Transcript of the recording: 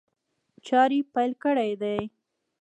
چاري پيل کړي دي.